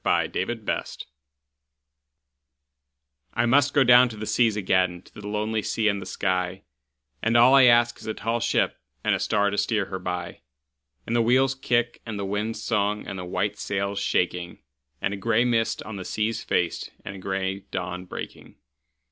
Y Z Sea Fever I MUST down to the seas again, to the lonely sea and the sky, And all I ask is a tall ship and a star to steer her by, And the wheel's kick and the wind's song and the white sail's shaking, And a gray mist on the sea's face, and a gray dawn breaking.